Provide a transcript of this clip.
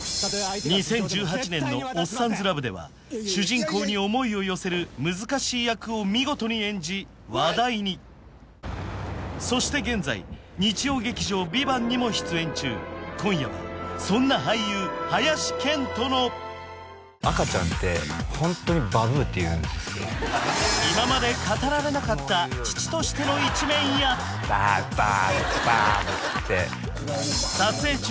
２０１８年の「おっさんずラブ」では主人公に思いを寄せる難しい役を見事に演じ話題にそして現在日曜劇場「ＶＩＶＡＮＴ」にも出演中今夜はそんな俳優林遣都の今まで語られなかった父としての一面やバーブバーブバーブっつって撮影中